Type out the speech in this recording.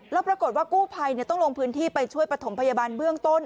แล้วปรากฏว่ากู้ภัยต้องลงพื้นที่ไปช่วยประถมพยาบาลเบื้องต้น